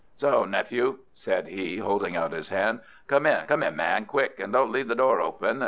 "So, nephew," said he, holding out his hand. "Come in, come in, man, quick, and don't leave the door open.